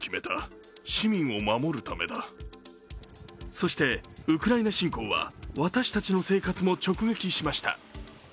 そして、ウクライナ侵攻は私たちの生活も直撃しました。